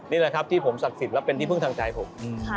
นี่แหละครับที่ผมศักดิ์สิทธิ์และเป็นที่พึ่งทางใจผม